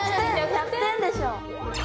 １００点でしょ。